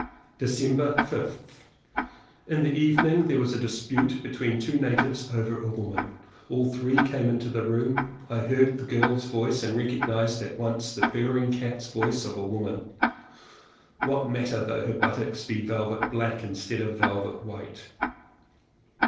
December 5th. In the evening there was a dispute be tween two natives over a woman. All three came into the room. I heard the girl's voice and recognized at once the pur ring cat's voice of a woman. What matter though her buttocks be velvet black instead of velvet white?